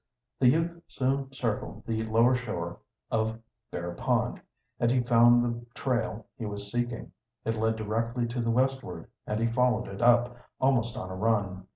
The youth soon circled the lower shore of Bear Pond, and he found the trail he was seeking. It led directly to the westward, and he followed it up, almost on a run.